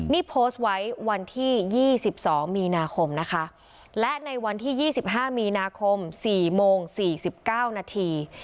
นี่โพสต์ไว้วันที่๒๒มีนาคมนะคะและในวันที่๒๕มีนาคม๔โมง๔๙นาที